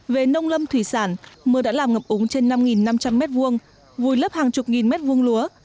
về nông lâm thủy sản mưa đã làm ngập úng trên năm năm trăm linh m hai vùi lấp hàng chục nghìn mét vuông lúa